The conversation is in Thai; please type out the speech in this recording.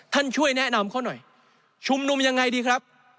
ช่วยแนะนำเขาหน่อยชุมนุมยังไงดีครับ